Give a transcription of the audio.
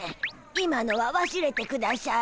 今のはわすれてくだしゃい。